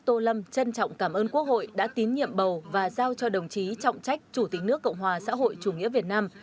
tô lâm trân trọng cảm ơn quốc hội đã tín nhiệm bầu và giao cho đồng chí trọng trách chủ tịch nước cộng hòa xã hội chủ nghĩa việt nam